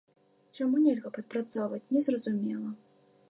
Чаму нельга падпрацоўваць, незразумела.